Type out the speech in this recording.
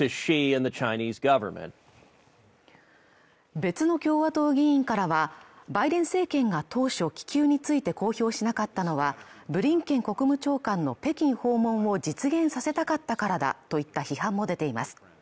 別の共和党議員からはバイデン政権が当初気球について公表しなかったのはブリンケン国務長官の北京訪問を実現させたかったからだといった批判も出ています